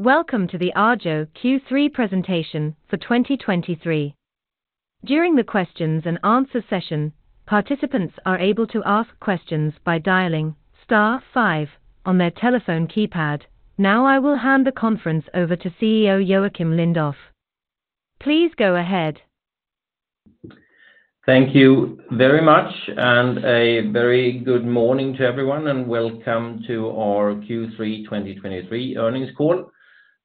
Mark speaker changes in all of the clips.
Speaker 1: Welcome to the Arjo Q3 presentation for 2023. During the questions and answer session, participants are able to ask questions by dialing star five on their telephone keypad. Now, I will hand the conference over to CEO Joacim Lindoff. Please go ahead.
Speaker 2: Thank you very much, and a very good morning to everyone, and welcome to our Q3 2023 earnings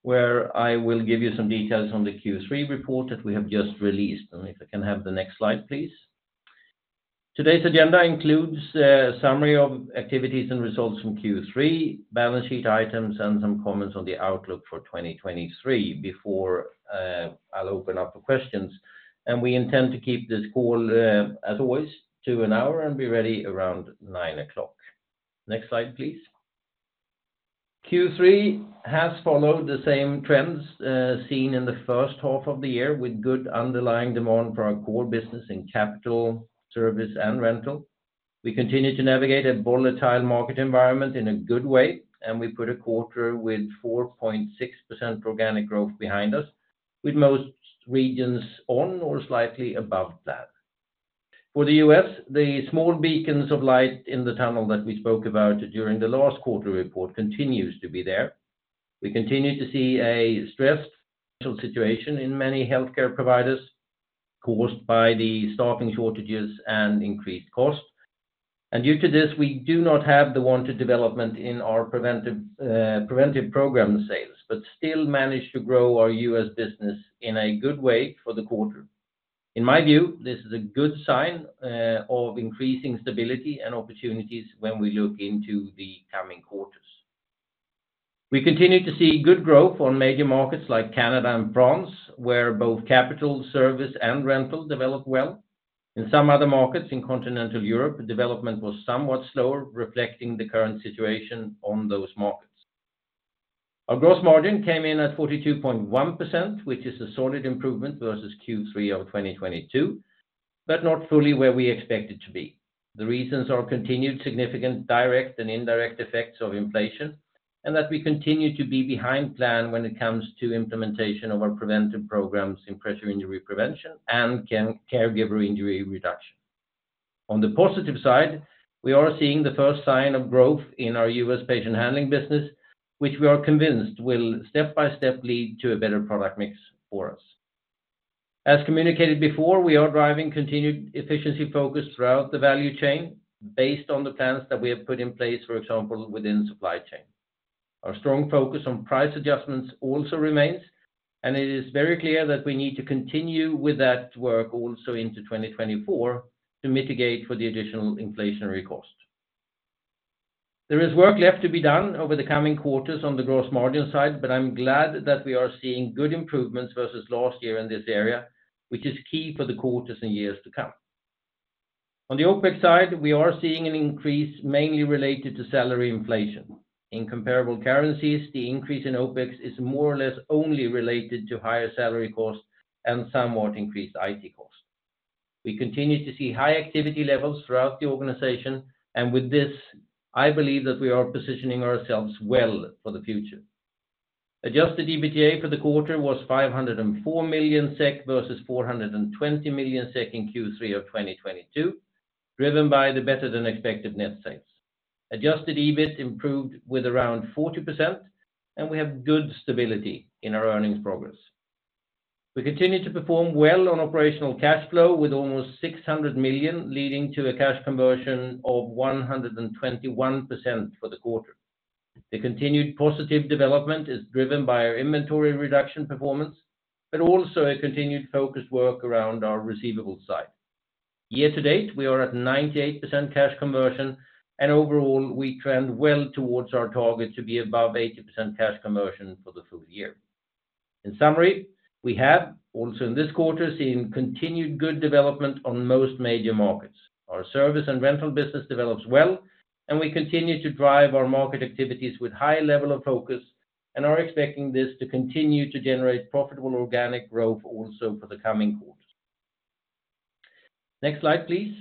Speaker 2: call, where I will give you some details on the Q3 report that we have just released. If I can have the next slide, please. Today's agenda includes a summary of activities and results from Q3, balance sheet items, and some comments on the outlook for 2023 before I'll open up for questions. We intend to keep this call, as always, to an hour, and be ready around 9:00 A.M. Next slide, please. Q3 has followed the same trends seen in the first half of the year, with good underlying demand for our core business in capital, service and rental. We continue to navigate a volatile market environment in a good way, and we put a quarter with 4.6% organic growth behind us, with most regions on or slightly above that. For the U.S., the small beacons of light in the tunnel that we spoke about during the last quarter report continues to be there. We continue to see a stressed situation in many healthcare providers, caused by the staffing shortages and increased costs. Due to this, we do not have the wanted development in our preventive program sales, but still manage to grow our U.S. business in a good way for the quarter. In my view, this is a good sign of increasing stability and opportunities when we look into the coming quarters. We continue to see good growth on major markets like Canada and France, where both capital, service and rental develop well. In some other markets in continental Europe, the development was somewhat slower, reflecting the current situation on those markets. Our gross margin came in at 42.1%, which is a solid improvement versus Q3 of 2022, but not fully where we expect it to be. The reasons are continued significant direct and indirect effects of inflation, and that we continue to be behind plan when it comes to implementation of our preventive programs in pressure injury prevention and caregiver injury reduction. On the positive side, we are seeing the first sign of growth in our U.S. patient handling business, which we are convinced will step-by-step lead to a better product mix for us. As communicated before, we are driving continued efficiency focus throughout the value chain, based on the plans that we have put in place, for example, within supply chain. Our strong focus on price adjustments also remains, and it is very clear that we need to continue with that work also into 2024 to mitigate for the additional inflationary cost. There is work left to be done over the coming quarters on the gross margin side, but I'm glad that we are seeing good improvements versus last year in this area, which is key for the quarters and years to come. On the OpEx side, we are seeing an increase mainly related to salary inflation. In comparable currencies, the increase in OpEx is more or less only related to higher salary costs and somewhat increased IT costs. We continue to see high activity levels throughout the organization, and with this, I believe that we are positioning ourselves well for the future. Adjusted EBITDA for the quarter was 504 million SEK versus 420 million SEK in Q3 of 2022, driven by the better than expected net sales. Adjusted EBIT improved with around 40%, and we have good stability in our earnings progress. We continue to perform well on operational cash flow with almost 600 million, leading to a cash conversion of 121% for the quarter. The continued positive development is driven by our inventory reduction performance, but also a continued focused work around our receivable side. Year to date, we are at 98% cash conversion, and overall, we trend well towards our target to be above 80% cash conversion for the full year. In summary, we have also in this quarter, seen continued good development on most major markets. Our service and rental business develops well, and we continue to drive our market activities with high level of focus and are expecting this to continue to generate profitable organic growth also for the coming quarters. Next slide, please.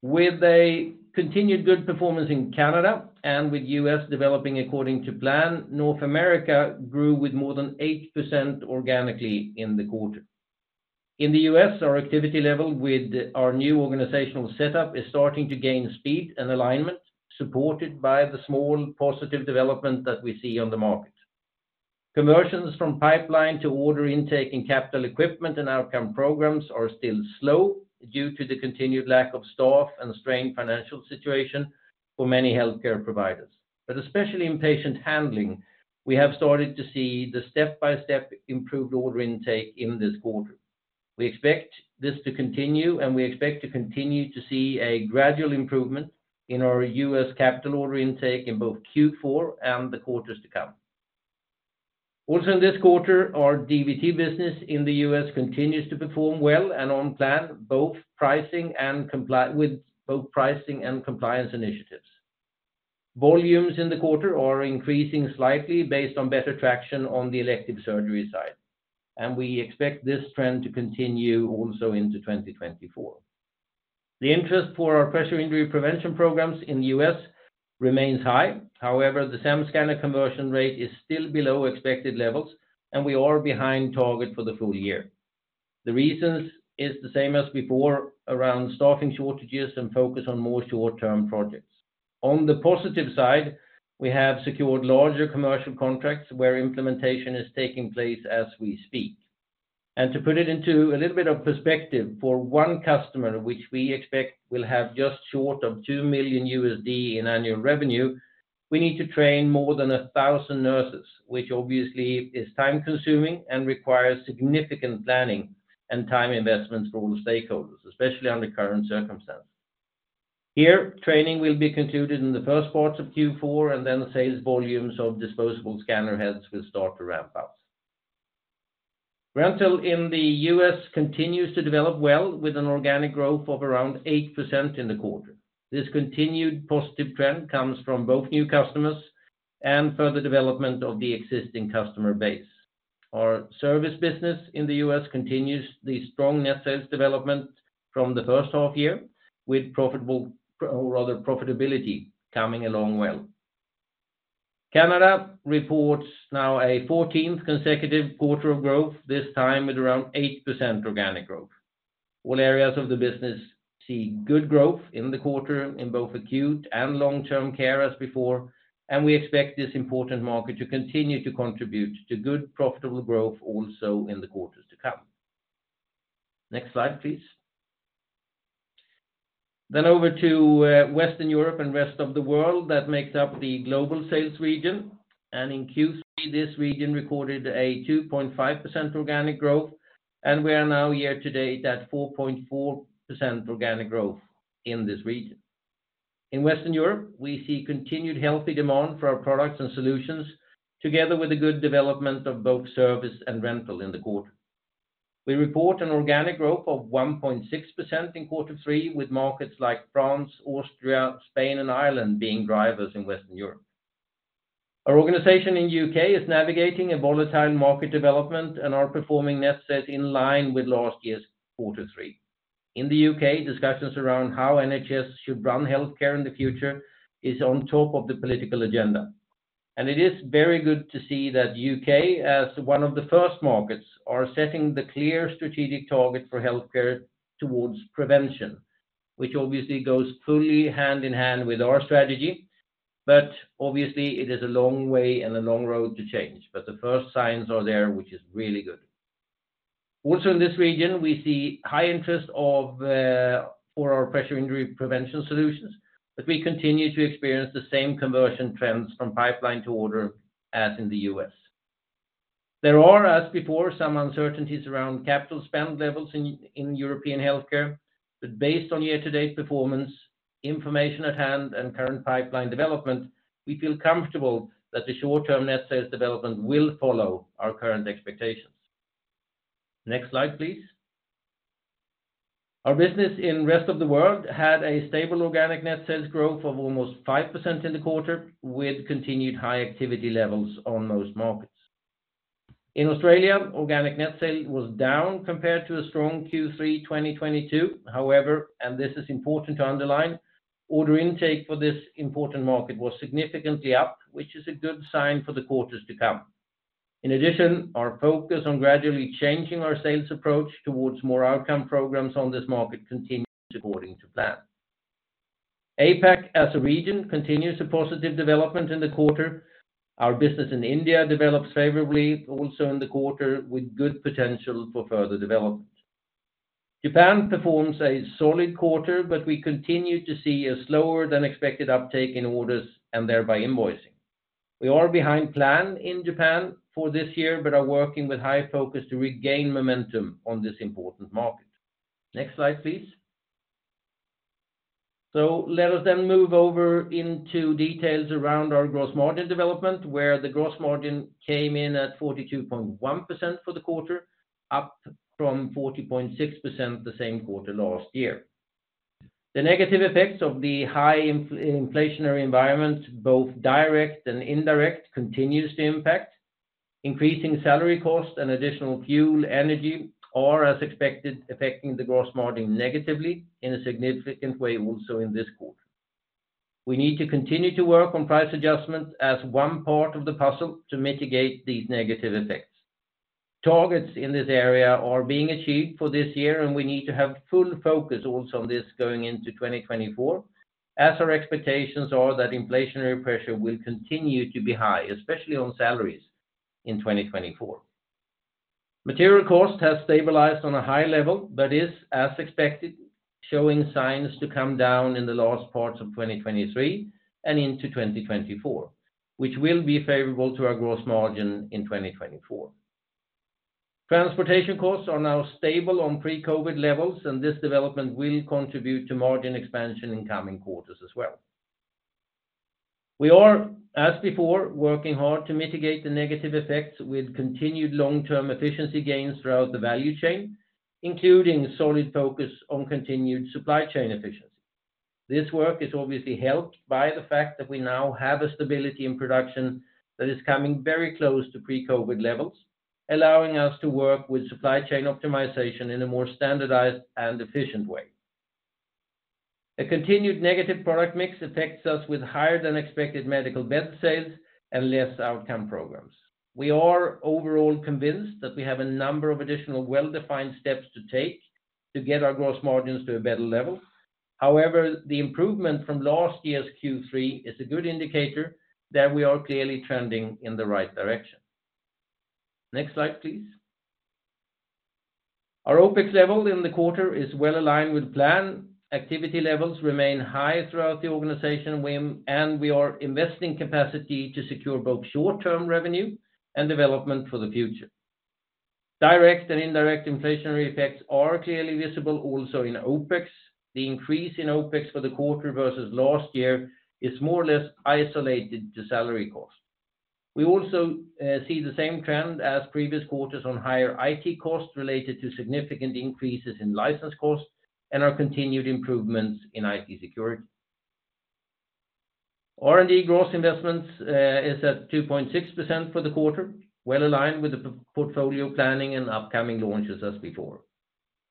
Speaker 2: With a continued good performance in Canada and with U.S. developing according to plan, North America grew with more than 8% organically in the quarter. In the U.S., our activity level with our new organizational setup is starting to gain speed and alignment, supported by the small positive development that we see on the market. Conversions from pipeline to order intake and capital equipment and outcome programs are still slow due to the continued lack of staff and strained financial situation for many healthcare providers. But especially in patient handling, we have started to see the step-by-step improved order intake in this quarter. We expect this to continue, and we expect to continue to see a gradual improvement in our U.S. capital order intake in both Q4 and the quarters to come. Also in this quarter, our DVT business in the U.S. continues to perform well and on plan with both pricing and compliance initiatives. Volumes in the quarter are increasing slightly based on better traction on the elective surgery side, and we expect this trend to continue also into 2024. The interest for our pressure injury prevention programs in the U.S. remains high. However, the SEM Scanner conversion rate is still below expected levels, and we are behind target for the full year. The reasons is the same as before, around staffing shortages and focus on more short-term projects. On the positive side, we have secured larger commercial contracts where implementation is taking place as we speak. To put it into a little bit of perspective, for one customer, which we expect will have just short of $2 million in annual revenue, we need to train more than 1,000 nurses, which obviously is time-consuming and requires significant planning and time investments for all the stakeholders, especially under current circumstances. Here, training will be concluded in the first part of Q4, and then the sales volumes of disposable scanner heads will start to ramp up. Rental in the U.S. continues to develop well, with an organic growth of around 8% in the quarter. This continued positive trend comes from both new customers and further development of the existing customer base. Our service business in the U.S. continues the strong net sales development from the first half year, with profitable, or rather, profitability coming along well. Canada reports now a fourteenth consecutive quarter of growth, this time with around 8% organic growth. All areas of the business see good growth in the quarter in both acute and long-term care as before, and we expect this important market to continue to contribute to good, profitable growth also in the quarters to come. Next slide, please. Then over to Western Europe and Rest of the World, that makes up the global sales region. And in Q3, this region recorded a 2.5 organic growth, and we are now here today at 4.4% organic growth in this region. In Western Europe, we see continued healthy demand for our products and solutions, together with a good development of both service and rental in the quarter. We report an organic growth of 1.6% in quarter three, with markets like France, Austria, Spain, and Ireland being drivers in Western Europe. Our organization in U.K. is navigating a volatile market development and are performing net sales in line with last year's quarter three. In the U.K., discussions around how NHS should run healthcare in the future is on top of the political agenda. It is very good to see that U.K., as one of the first markets, are setting the clear strategic target for healthcare towards prevention, which obviously goes fully hand in hand with our strategy, but obviously it is a long way and a long road to change. But the first signs are there, which is really good. Also in this region, we see high interest of, for our pressure injury prevention solutions, but we continue to experience the same conversion trends from pipeline to order as in the U.S. There are, as before, some uncertainties around capital spend levels in, in European healthcare, but based on year-to-date performance, information at hand, and current pipeline development, we feel comfortable that the short-term net sales development will follow our current expectations. Next slide, please. Our business in Rest of the World had a stable organic net sales growth of almost 5% in the quarter, with continued high activity levels on most markets. In Australia, organic net sale was down compared to a strong Q3 2022. However, and this is important to underline, order intake for this important market was significantly up, which is a good sign for the quarters to come. In addition, our focus on gradually changing our sales approach towards more outcome programs on this market continues according to plan. APAC, as a region, continues a positive development in the quarter. Our business in India develops favorably also in the quarter, with good potential for further development. Japan performs a solid quarter, but we continue to see a slower than expected uptake in orders and thereby invoicing. We are behind plan in Japan for this year, but are working with high focus to regain momentum on this important market. Next slide, please. So let us then move over into details around our gross margin development, where the gross margin came in at 42.1 for the quarter, up from 40.6% the same quarter last year. The negative effects of the high inflationary environment, both direct and indirect, continues to impact. Increasing salary costs and additional fuel, energy, are, as expected, affecting the gross margin negatively in a significant way also in this quarter. We need to continue to work on price adjustments as one part of the puzzle to mitigate these negative effects. Targets in this area are being achieved for this year, and we need to have full focus also on this going into 2024, as our expectations are that inflationary pressure will continue to be high, especially on salaries in 2024. Material cost has stabilized on a high level, but is, as expected, showing signs to come down in the last parts of 2023 and into 2024, which will be favorable to our gross margin in 2024. Transportation costs are now stable on pre-COVID levels, and this development will contribute to margin expansion in coming quarters as well. We are, as before, working hard to mitigate the negative effects with continued long-term efficiency gains throughout the value chain, including solid focus on continued supply chain efficiency. This work is obviously helped by the fact that we now have a stability in production that is coming very close to pre-COVID levels, allowing us to work with supply chain optimization in a more standardized and efficient way. A continued negative product mix affects us with higher than expected medical bed sales and less outcome programs. We are overall convinced that we have a number of additional well-defined steps to take to get our gross margins to a better level. However, the improvement from last year's Q3 is a good indicator that we are clearly trending in the right direction. Next slide, please. Our OpEx level in the quarter is well aligned with plan. Activity levels remain high throughout the organization, and we are investing capacity to secure both short-term revenue and development for the future. Direct and indirect inflationary effects are clearly visible also in OpEx. The increase in OpEx for the quarter versus last year is more or less isolated to salary costs. We also see the same trend as previous quarters on higher IT costs related to significant increases in license costs and our continued improvements in IT security. R&D gross investments is at 2.6% for the quarter, well aligned with the portfolio planning and upcoming launches as before.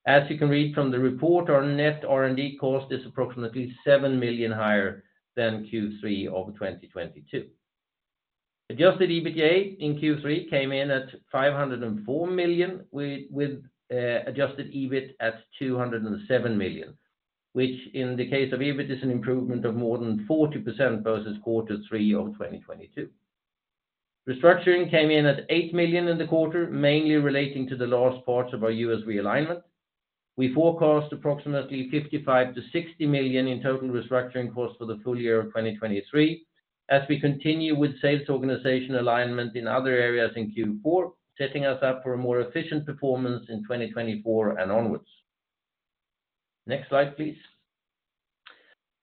Speaker 2: As you can read from the report, our net R&D cost is approximately 7 million higher than Q3 of 2022. Adjusted EBITDA in Q3 came in at 504 million, with adjusted EBIT at 207 million, which in the case of EBIT, is an improvement of more than 40% versus quarter three of 2022. Restructuring came in at 8 million in the quarter, mainly relating to the last parts of our U.S. realignment. We forecast approximately 55 million-60 million in total restructuring costs for the full year of 2023, as we continue with sales organization alignment in other areas in Q4, setting us up for a more efficient performance in 2024 and onwards. Next slide, please.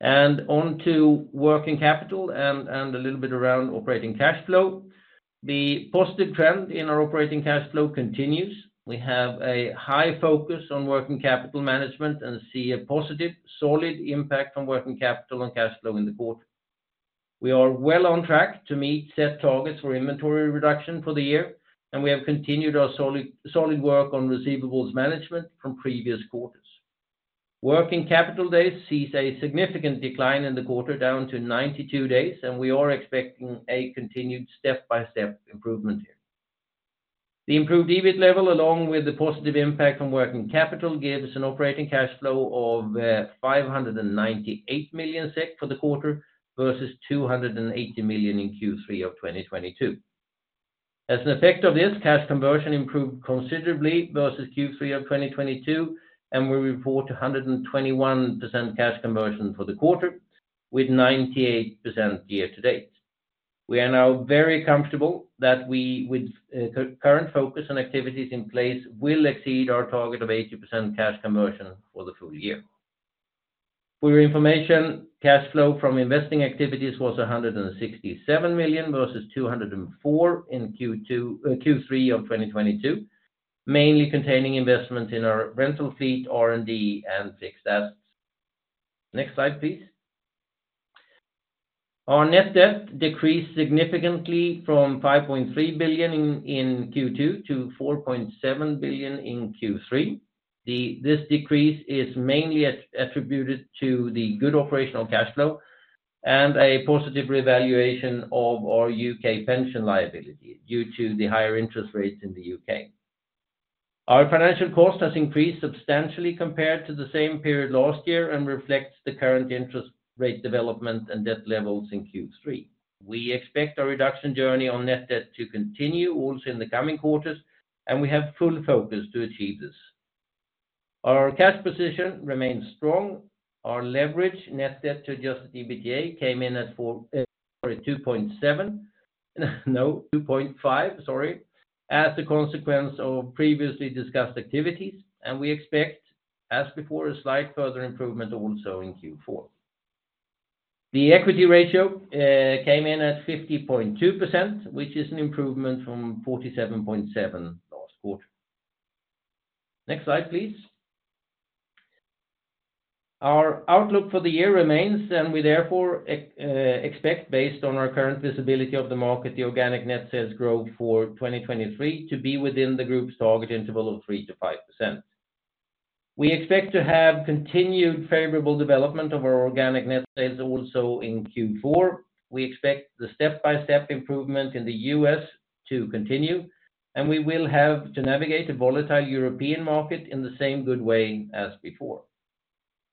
Speaker 2: And on to working capital and a little bit around operating cash flow. The positive trend in our operating cash flow continues. We have a high focus on working capital management and see a positive, solid impact from working capital and cash flow in the quarter. We are well on track to meet set targets for inventory reduction for the year, and we have continued our solid, solid work on receivables management from previous quarters. Working capital days sees a significant decline in the quarter, down to 92 days, and we are expecting a continued step-by-step improvement here. The improved EBIT level, along with the positive impact from working capital, gives an operating cash flow of 598 million SEK for the quarter, versus 280 million in Q3 of 2022. As an effect of this, cash conversion improved considerably versus Q3 of 2022, and we report 121% cash conversion for the quarter, with 98% year to date. We are now very comfortable that we, with current focus and activities in place, will exceed our target of 80% cash conversion for the full year. For your information, cash flow from investing activities was 167 million versus 204 million in Q3 of 2022, mainly containing investments in our rental fleet, R&D, and fixed assets. Next slide, please. Our net debt decreased significantly from 5.3 billion in Q2 to 4.7 billion in Q3. This decrease is mainly attributed to the good operational cash flow and a positive revaluation of our U.K. pension liability due to the higher interest rates in the U.K. Our financial cost has increased substantially compared to the same period last year and reflects the current interest rate development and debt levels in Q3. We expect our reduction journey on net debt to continue also in the coming quarters, and we have full focus to achieve this. Our cash position remains strong. Our leverage net debt to adjusted EBITDA came in at 2.5 as a consequence of previously discussed activities, and we expect, as before, a slight further improvement also in Q4. The equity ratio came in at 50.2%, which is an improvement from 47.7 last quarter. Next slide, please. Our outlook for the year remains, and we therefore expect, based on our current visibility of the market, the organic net sales growth for 2023 to be within the group's target interval of 3%-5%. We expect to have continued favorable development of our organic net sales also in Q4. We expect the step-by-step improvement in the U.S. to continue, and we will have to navigate the volatile European market in the same good way as before.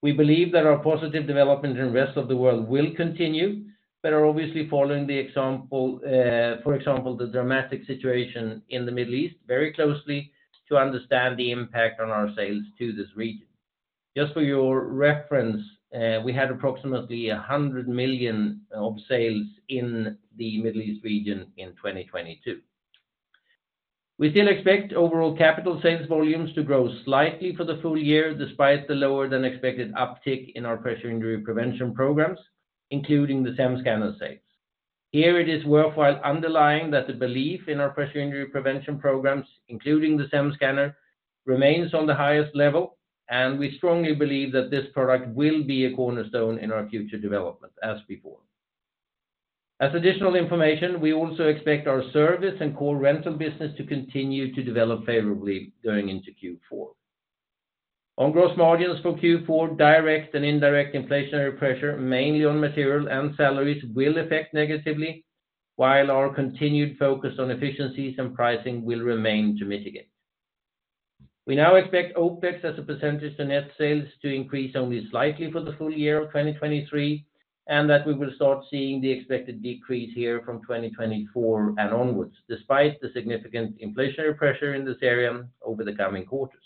Speaker 2: We believe that our positive development in the Rest of the World will continue, but are obviously following, for example, the dramatic situation in the Middle East very closely to understand the impact on our sales to this region. Just for your reference, we had approximately 100 million of sales in the Middle East region in 2022. We still expect overall capital sales volumes to grow slightly for the full year, despite the lower than expected uptick in our pressure injury prevention programs, including the SEM Scanner sales. Here it is worthwhile underlining that the belief in our pressure injury prevention programs, including the SEM Scanner, remains on the highest level, and we strongly believe that this product will be a cornerstone in our future development as before. As additional information, we also expect our service and core rental business to continue to develop favorably going into Q4. On gross margins for Q4, direct and indirect inflationary pressure, mainly on material and salaries, will affect negatively, while our continued focus on efficiencies and pricing will remain to mitigate. We now expect OpEx as a percentage of net sales to increase only slightly for the full year of 2023, and that we will start seeing the expected decrease here from 2024 and onwards, despite the significant inflationary pressure in this area over the coming quarters.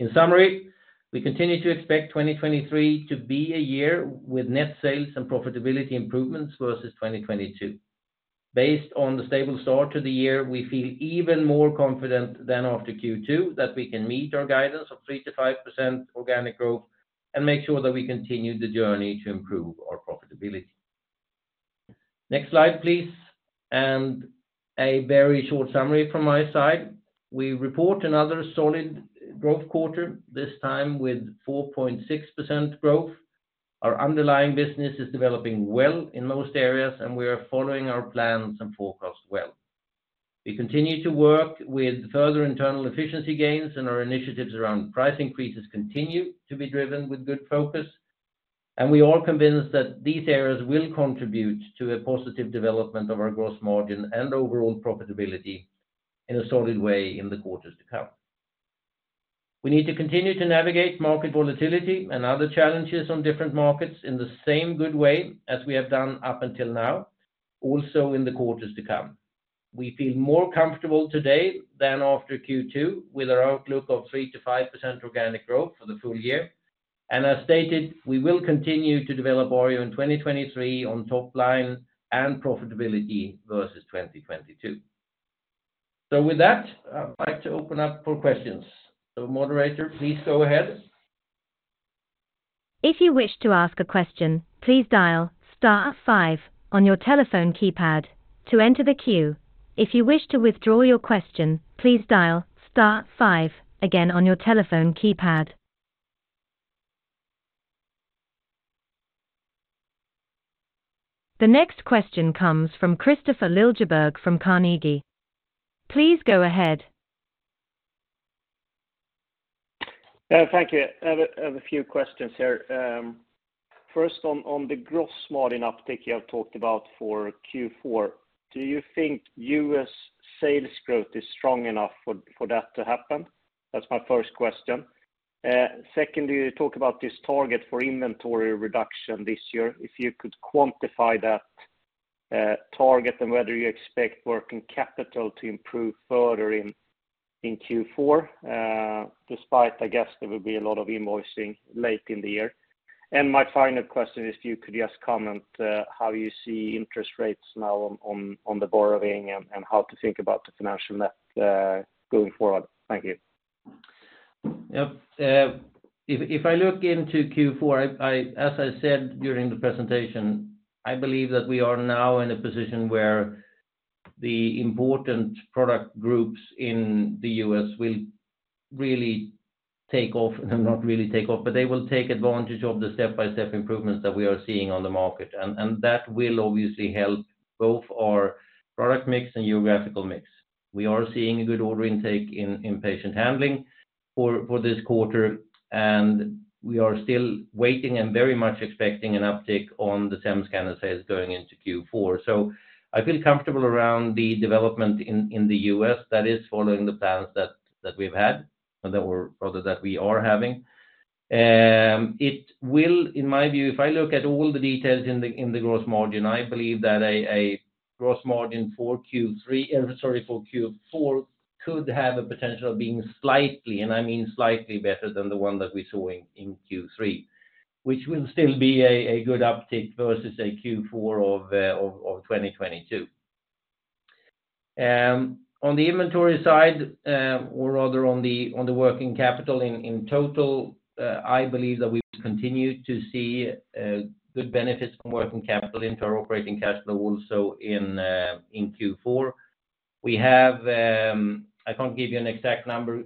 Speaker 2: In summary, we continue to expect 2023 to be a year with net sales and profitability improvements versus 2022. Based on the stable start to the year, we feel even more confident than after Q2, that we can meet our guidance of 3%-5% organic growth and make sure that we continue the journey to improve our profitability. Next slide, please. A very short summary from my side. We report another solid growth quarter, this time with 4.6% growth. Our underlying business is developing well in most areas, and we are following our plans and forecast well. We continue to work with further internal efficiency gains, and our initiatives around price increases continue to be driven with good focus. We are convinced that these areas will contribute to a positive development of our gross margin and overall profitability in a solid way in the quarters to come. We need to continue to navigate market volatility and other challenges on different markets in the same good way as we have done up until now, also in the quarters to come. We feel more comfortable today than after Q2, with our outlook of 3%-5% organic growth for the full year. As stated, we will continue to develop Arjo in 2023 on top line and profitability versus 2022. With that, I'd like to open up for questions. Moderator, please go ahead.
Speaker 1: If you wish to ask a question, please dial star five on your telephone keypad to enter the queue. If you wish to withdraw your question, please dial star five again on your telephone keypad. The next question comes from Kristofer Liljeberg from Carnegie. Please go ahead.
Speaker 3: Thank you. I have a few questions here. First on the gross margin uptick you have talked about for Q4, do you think U.S. sales growth is strong enough for that to happen? That's my first question. Secondly, you talk about this target for inventory reduction this year. If you could quantify that target and whether you expect working capital to improve further in Q4, despite, I guess, there will be a lot of invoicing late in the year. And my final question is, if you could just comment how you see interest rates now on the borrowing, and how to think about the financial net going forward. Thank you.
Speaker 2: Yep. If I look into Q4, as I said during the presentation, I believe that we are now in a position where the important product groups in the U.S. will really take off, and not really take off, but they will take advantage of the step-by-step improvements that we are seeing on the market, and that will obviously help both our product mix and geographical mix. We are seeing a good order intake in patient handling for this quarter, and we are still waiting and very much expecting an uptick on the SEM Scanner sales going into Q4. So I feel comfortable around the development in the U.S. that is following the plans that we've had, and that we're, rather, that we are having. It will, in my view, if I look at all the details in the gross margin, I believe that a gross margin for Q3, sorry, for Q4, could have a potential of being slightly, and I mean slightly better than the one that we saw in Q3, which will still be a good uptick versus a Q4 of 2022. On the inventory side, or rather on the working capital in total, I believe that we continue to see good benefits from working capital into our operating cash flow also in Q4. We have, I can't give you an exact number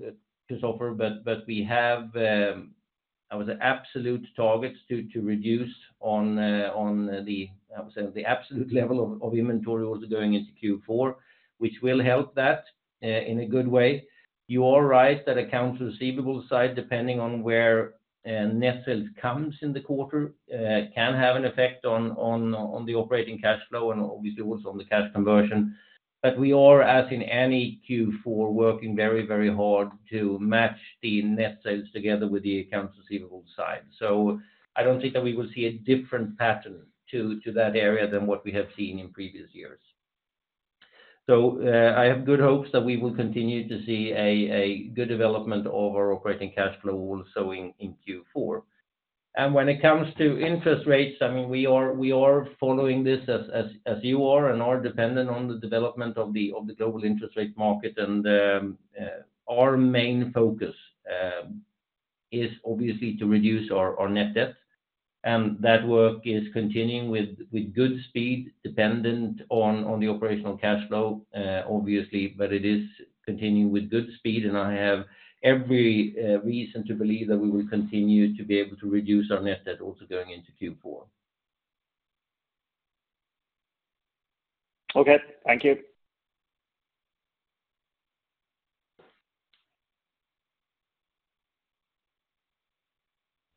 Speaker 2: so far, but we have, I would say, absolute targets to reduce on the, I would say, the absolute level of inventory also going into Q4, which will help that in a good way. You are right, that accounts receivable side, depending on where net sales comes in the quarter, can have an effect on the operating cash flow and obviously also on the cash conversion. But we are, as in any Q4, working very, very hard to match the net sales together with the accounts receivable side. So I don't think that we will see a different pattern to that area than what we have seen in previous years. So, I have good hopes that we will continue to see a good development of our operating cash flow also in Q4. And when it comes to interest rates, I mean, we are following this as you are, and are dependent on the development of the global interest rate market. And our main focus is obviously to reduce our net debt, and that work is continuing with good speed, dependent on the operational cash flow, obviously, but it is continuing with good speed, and I have every reason to believe that we will continue to be able to reduce our net debt also going into Q4.
Speaker 3: Okay, thank you.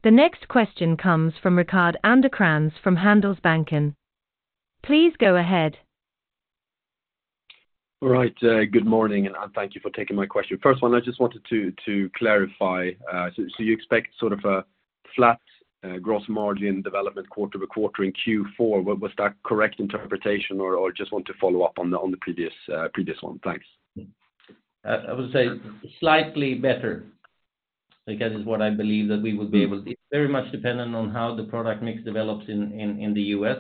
Speaker 1: The next question comes from Rickard Anderkrans from Handelsbanken. Please go ahead.
Speaker 4: All right, good morning, and thank you for taking my question. First one, I just wanted to clarify, so you expect sort of a flat gross margin development quarter to quarter in Q4? Was that correct interpretation, or just want to follow up on the previous one? Thanks.
Speaker 2: I would say slightly better, I guess, is what I believe that we will be able to—Very much dependent on how the product mix develops in the U.S.,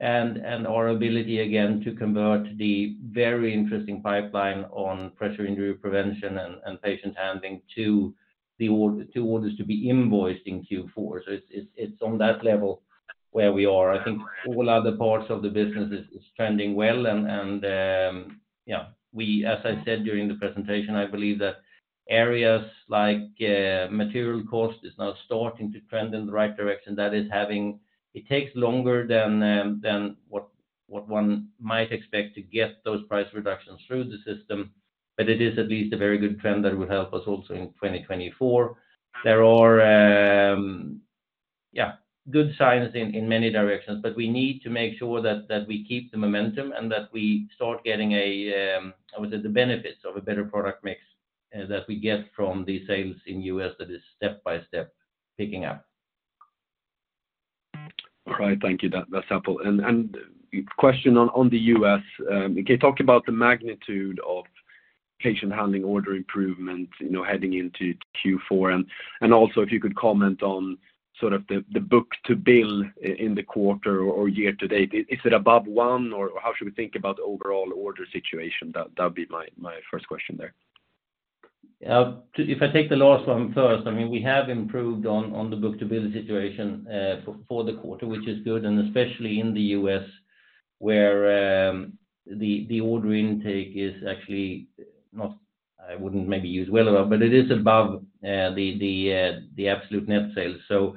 Speaker 2: and our ability again, to convert the very interesting pipeline on pressure injury prevention and patient handling to orders to be invoiced in Q4. So it's on that level where we are. I think all other parts of the business is trending well, and yeah, we, as I said during the presentation, I believe that areas like material cost is now starting to trend in the right direction. That is having—It takes longer than what one might expect to get those price reductions through the system, but it is at least a very good trend that will help us also in 2024. There are yeah good signs in many directions, but we need to make sure that we keep the momentum and that we start getting a, I would say, the benefits of a better product mix that we get from the sales in U.S. that is step by step picking up.
Speaker 4: All right. Thank you. That, that's helpful. And question on the U.S., can you talk about the magnitude of patient handling order improvement, you know, heading into Q4? And also, if you could comment on sort of the book-to-bill in the quarter or year to date. Is it above one, or how should we think about the overall order situation? That'd be my first question there.
Speaker 2: Yeah, if I take the last one first, I mean, we have improved on the book-to-bill situation for the quarter, which is good, and especially in the U.S., where the order intake is actually not, I wouldn't maybe use well enough, but it is above the absolute net sales. So,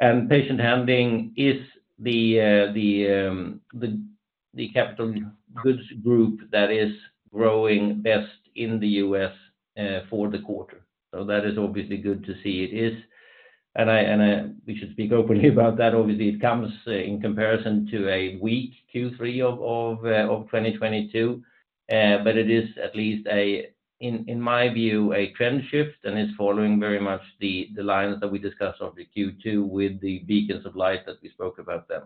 Speaker 2: and patient handling is the capital goods group that is growing best in the U.S. for the quarter. So that is obviously good to see. It is, and I, and I-- we should speak openly about that. Obviously, it comes in comparison to a weak Q3 of 2022, but it is at least, in my view, a trend shift, and it's following very much the lines that we discussed of the Q2 with the beacons of light that we spoke about then.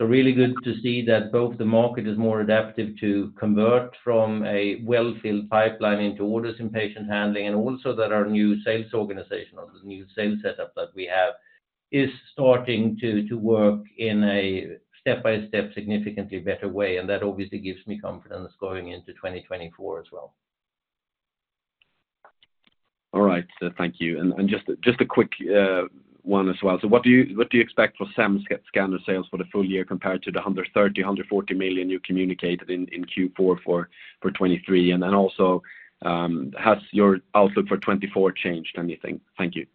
Speaker 2: So really good to see that both the market is more adaptive to convert from a well-filled pipeline into orders in patient handling, and also that our new sales organization, or the new sales setup that we have, is starting to work in a step-by-step, significantly better way. And that obviously gives me confidence going into 2024 as well.
Speaker 4: All right, thank you. And just a quick one as well. So what do you expect for SEM Scanner sales for the full year compared to the 130 million-140 million you communicated in Q4 for 2023? And then also, has your outlook for 2024 changed anything? Thank you.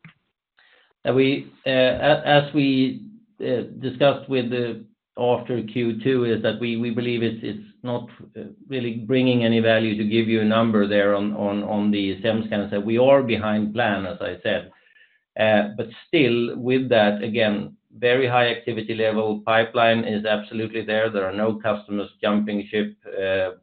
Speaker 2: As we discussed after Q2, we believe it's not really bringing any value to give you a number there on the SEM Scanner. We are behind plan, as I said, but still, with that, again, very high activity level. Pipeline is absolutely there. There are no customers jumping ship.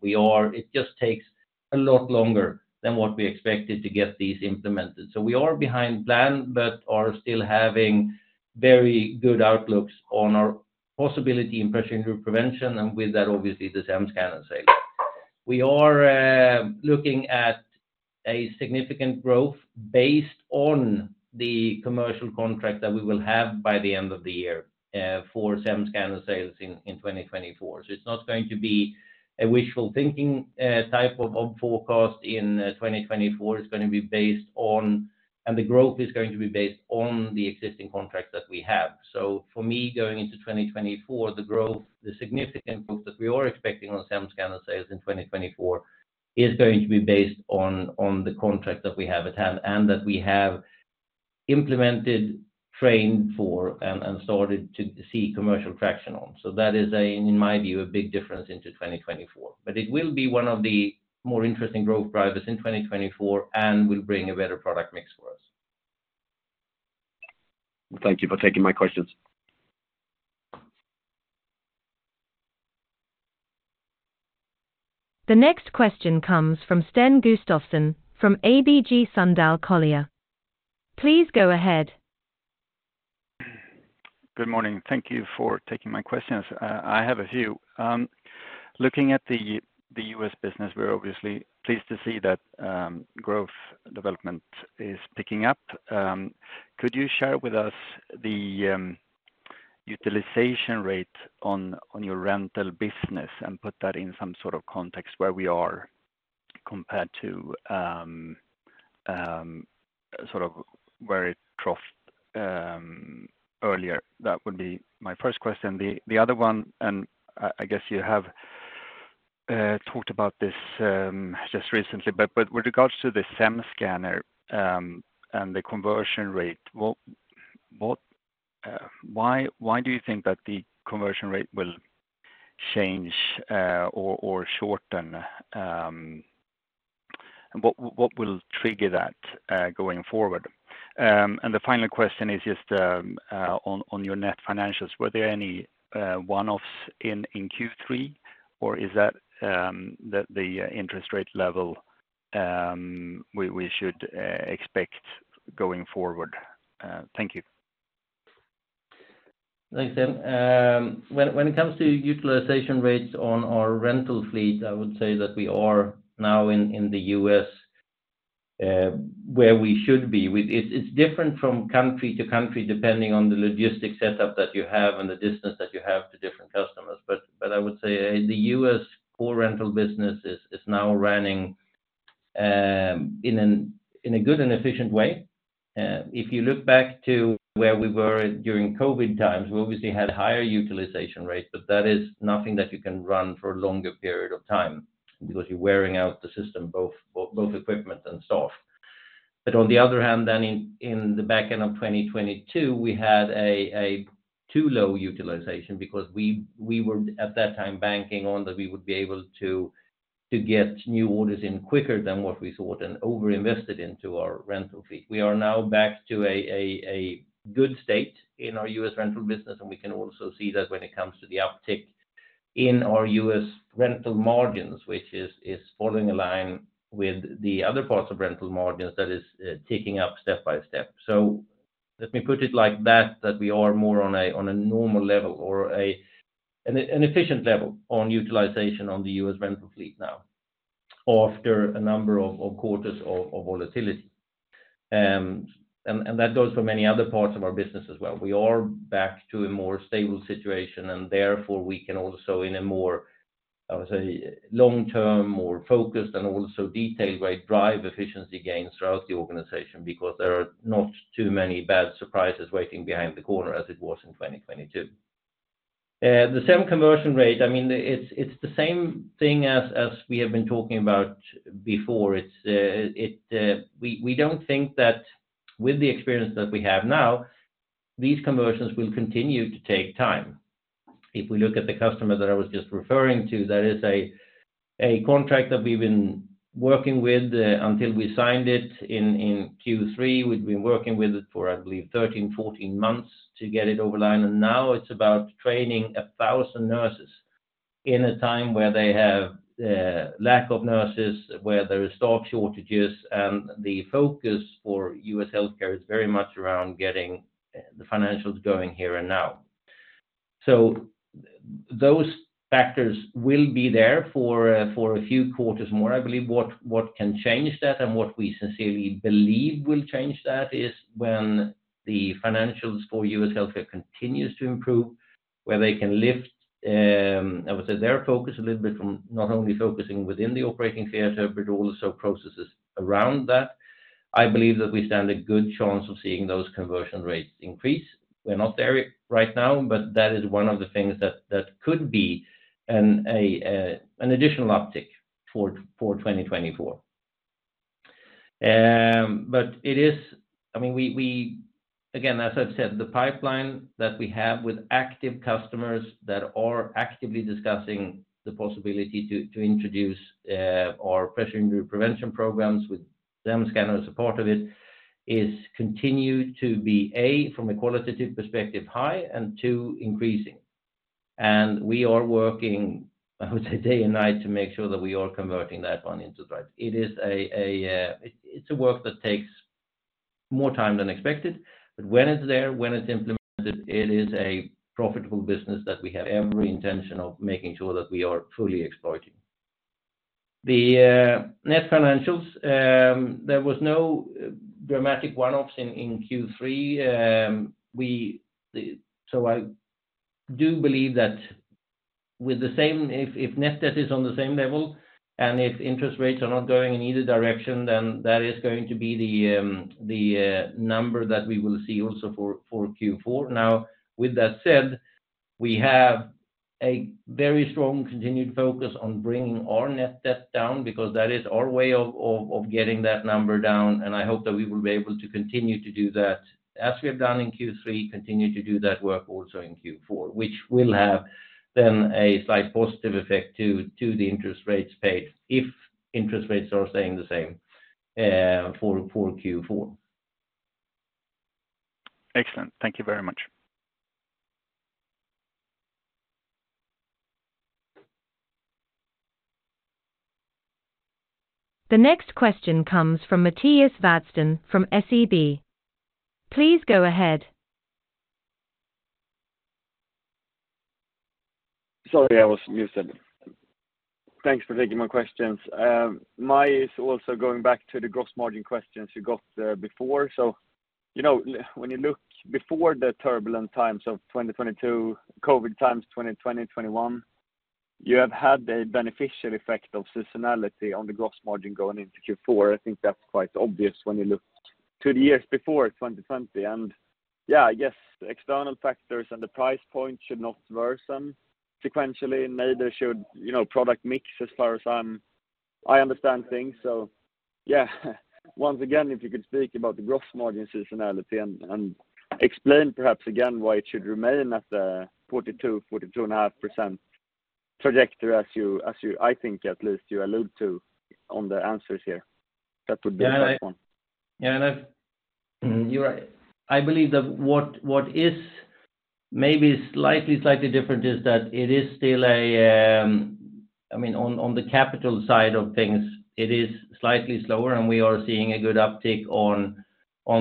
Speaker 2: We are. It just takes a lot longer than what we expected to get these implemented. So we are behind plan, but are still having very good outlooks on our possibility in pressure injury prevention, and with that, obviously, the SEM Scanner sales. We are looking at a significant growth based on the commercial contract that we will have by the end of the year for SEM Scanner sales in 2024. So it's not going to be a wishful thinking type of forecast in 2024. It's going to be based on, and the growth is going to be based on the existing contracts that we have. So for me, going into 2024, the growth, the significant growth that we are expecting on SEM Scanner sales in 2024, is going to be based on the contract that we have at hand, and that we have implemented, trained for, and started to see commercial traction on. So that is, in my view, a big difference into 2024. But it will be one of the more interesting growth drivers in 2024 and will bring a better product mix for us.
Speaker 4: Thank you for taking my questions.
Speaker 1: The next question comes from Sten Gustafsson, from ABG Sundal Collier. Please go ahead.
Speaker 5: Good morning. Thank you for taking my questions, I have a few. Looking at the U.S. business, we're obviously pleased to see that growth development is picking up. Could you share with us the utilization rate on your rental business and put that in some sort of context where we are compared to sort of where it crossed earlier. That would be my first question. The other one, and I guess you have talked about this just recently, but with regards to the SEM Scanner and the conversion rate, what why do you think that the conversion rate will change or shorten? And what will trigger that going forward? The final question is just on your net financials, were there any one-offs in Q3, or is that the interest rate level we should expect going forward? Thank you.
Speaker 2: Thanks, Sten. When it comes to utilization rates on our rental fleet, I would say that we are now in the U.S., where we should be. With—it's different from country to country, depending on the logistic setup that you have and the distance that you have to different customers. But I would say in the U.S., core rental business is now running in a good and efficient way. If you look back to where we were during COVID times, we obviously had higher utilization rates, but that is nothing that you can run for a longer period of time because you're wearing out the system, both equipment and staff. But on the other hand, then in the back end of 2022, we had a too low utilization because we were at that time banking on that we would be able to get new orders in quicker than what we thought and over-invested into our rental fleet. We are now back to a good state in our U.S. rental business, and we can also see that when it comes to the uptick in our U.S. rental margins, which is falling in line with the other parts of rental margins, that is ticking up step by step. So let me put it like that, that we are more on a normal level or an efficient level on utilization on the U.S. rental fleet now, after a number of quarters of volatility. That goes for many other parts of our business as well. We are back to a more stable situation, and therefore, we can also in a more, I would say, long-term, more focused and also detailed way, drive efficiency gains throughout the organization, because there are not too many bad surprises waiting behind the corner as it was in 2022. The same conversion rate, I mean, it's the same thing as we have been talking about before. It's, we don't think that with the experience that we have now, these conversions will continue to take time. If we look at the customer that I was just referring to, that is a contract that we've been working with until we signed it in Q3. We've been working with it for, I believe, 13 months-14 months to get it over the line. And now it's about training 1,000 nurses in a time where they have lack of nurses, where there is staff shortages, and the focus for U.S. healthcare is very much around getting the financials going here and now. So those factors will be there for a few quarters more. I believe what can change that, and what we sincerely believe will change that, is when the financials for U.S. healthcare continues to improve, where they can lift, I would say, their focus a little bit from not only focusing within the operating theater, but also processes around that. I believe that we stand a good chance of seeing those conversion rates increase. We're not there right now, but that is one of the things that could be an additional uptick for 2024. But it is—I mean, we, again, as I've said, the pipeline that we have with active customers that are actively discussing the possibility to introduce our pressure injury prevention programs with them, scanner as a part of it, is continued to be, one, from a qualitative perspective, high, and two, increasing. We are working, I would say, day and night to make sure that we are converting that one into drive. It is a work that takes more time than expected, but when it's there, when it's implemented, it is a profitable business that we have every intention of making sure that we are fully exploiting. The net financials, there was no dramatic one-offs in Q3. I do believe that with the same—if net debt is on the same level, and if interest rates are not going in either direction, then that is going to be the number that we will see also for Q4. Now, with that said, we have a very strong continued focus on bringing our net debt down, because that is our way of getting that number down, and I hope that we will be able to continue to do that. As we have done in Q3, continue to do that work also in Q4, which will have then a slight positive effect to the interest rates paid, if interest rates are staying the same, for Q4.
Speaker 5: Excellent. Thank you very much.
Speaker 1: The next question comes from Mattias Vadsten from SEB. Please go ahead.
Speaker 6: Sorry, I was muted. Thanks for taking my questions. Mine is also going back to the gross margin questions you got before. So, you know, when you look before the turbulent times of 2022, COVID times 2020, 2021, you have had a beneficial effect of seasonality on the gross margin going into Q4. I think that's quite obvious when you look to the years before 2020. And, yeah, I guess external factors and the price point should not worsen sequentially, neither should, you know, product mix as far as I understand things. So, yeah, once again, if you could speak about the gross margin seasonality and explain perhaps again why it should remain at the 42%-42.5% trajectory as you, as you, I think, at least you allude to on the answers here. That would be a great one.
Speaker 2: Yeah, and I've. You're right. I believe that what is maybe slightly different is that it is still a, I mean, on the capital side of things, it is slightly slower, and we are seeing a good uptick on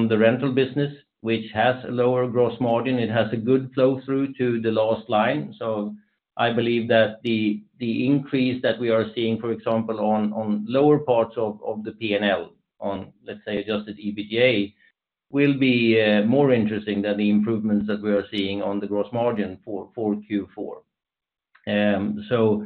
Speaker 2: the rental business, which has a lower gross margin. It has a good flow through to the last line. So I believe that the increase that we are seeing, for example, on lower parts of the P&L, let's say, adjusted EBITDA, will be more interesting than the improvements that we are seeing on the gross margin for Q4. So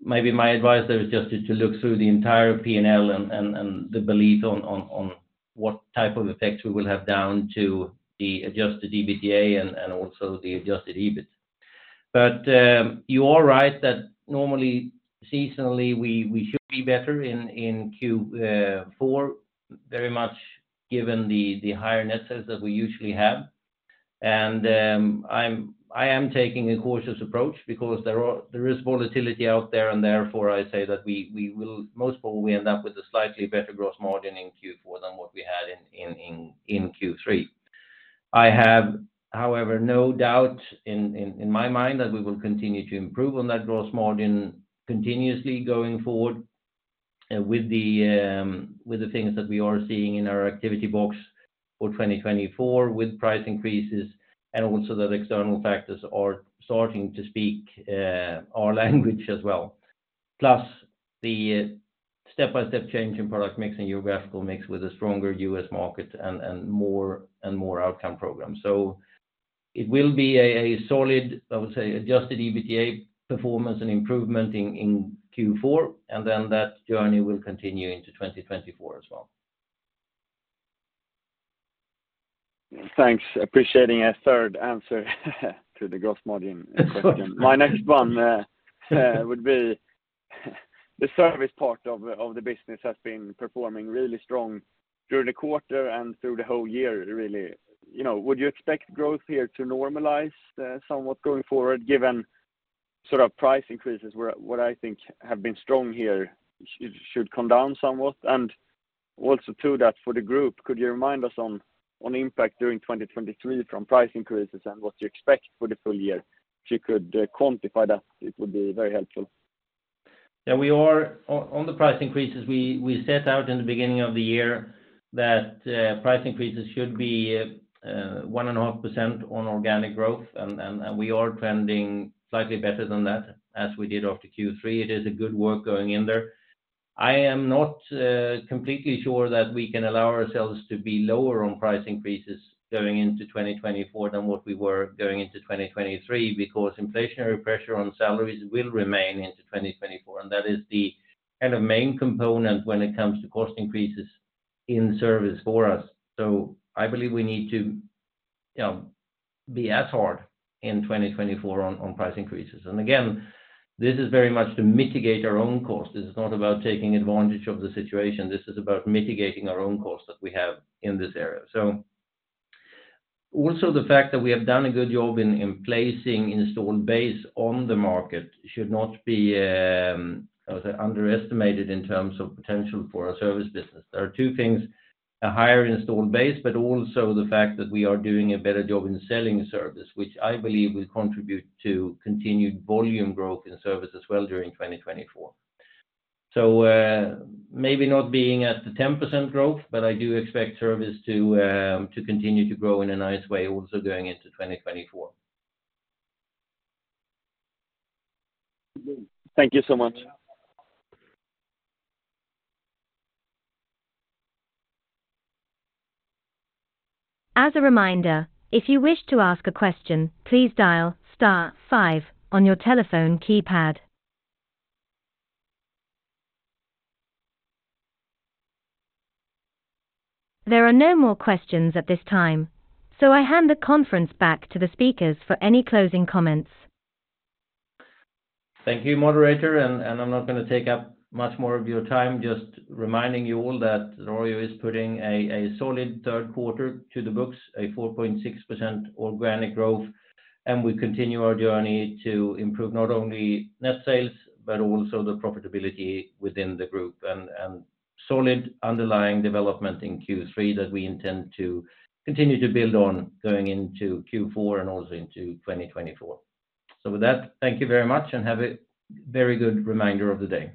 Speaker 2: maybe my advice there is just to look through the entire P&L and the belief on what type of effects we will have down to the adjusted EBITDA and also the adjusted EBIT. But, you are right that normally, seasonally, we should be better in Q4, very much given the higher net sales that we usually have. And, I'm taking a cautious approach because there is volatility out there, and therefore I say that we will most probably end up with a slightly better gross margin in Q4 than what we had in Q3. I have, however, no doubt in my mind that we will continue to improve on that gross margin continuously going forward, with the things that we are seeing in our activity box for 2024, with price increases, and also that external factors are starting to speak our language as well. Plus, the step-by-step change in product mix and geographical mix with a stronger U.S. market and more and more outcome programs. So it will be a solid, I would say, adjusted EBITDA performance and improvement in Q4, and then that journey will continue into 2024 as well.
Speaker 6: Thanks. Appreciating a third answer to the gross margin question. My next one would be, the service part of the business has been performing really strong during the quarter and through the whole year, really. You know, would you expect growth here to normalize somewhat going forward, given sort of price increases, where what I think have been strong here should come down somewhat? And also to that, for the group, could you remind us on impact during 2023 from price increases and what you expect for the full year? If you could quantify that, it would be very helpful.
Speaker 2: Yeah, we are on the price increases, we set out in the beginning of the year that price increases should be 1.5% on organic growth, and we are trending slightly better than that, as we did after Q3. It is a good work going in there. I am not completely sure that we can allow ourselves to be lower on price increases going into 2024 than what we were going into 2023, because inflationary pressure on salaries will remain into 2024, and that is the kind of main component when it comes to cost increases in service for us. So I believe we need to, you know, be as hard in 2024 on price increases. And again, this is very much to mitigate our own costs. This is not about taking advantage of the situation. This is about mitigating our own costs that we have in this area. So also, the fact that we have done a good job in placing installed base on the market should not be underestimated in terms of potential for our service business. There are two things, a higher installed base, but also the fact that we are doing a better job in selling service, which I believe will contribute to continued volume growth in service as well during 2024. So, maybe not being at the 10% growth, but I do expect service to continue to grow in a nice way, also going into 2024.
Speaker 6: Thank you so much.
Speaker 1: As a reminder, if you wish to ask a question, please dial star five on your telephone keypad. There are no more questions at this time, so I hand the conference back to the speakers for any closing comments.
Speaker 2: Thank you, moderator, and I'm not going to take up much more of your time. Just reminding you all that Arjo is putting a solid third quarter to the books, a 4.6% organic growth, and we continue our journey to improve not only net sales, but also the profitability within the group, and solid underlying development in Q3 that we intend to continue to build on going into Q4 and also into 2024. So with that, thank you very much, and have a very good remainder of the day.